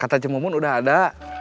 kata cimumun udah ada